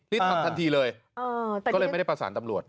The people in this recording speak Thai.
ทำทันทีเลยก็เลยไม่ได้ประสานตำรวจ